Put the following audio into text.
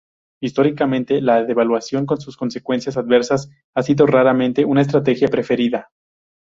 Históricamente, la devaluación, con sus consecuencias adversas, ha sido raramente una estrategia preferida.